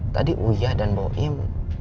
tadi uya dan bawang din